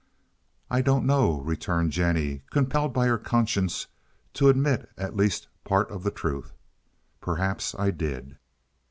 "I don't know," returned Jennie, compelled by her conscience to admit at least part of the truth. "Perhaps I did."